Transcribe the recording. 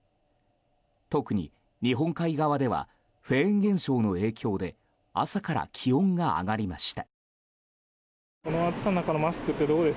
特に日本海側ではフェーン現象の影響で朝から気温が上がりました。